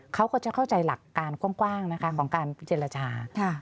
เขาก็จะเข้าใจหลักการกว้างนะคะของการเจรจา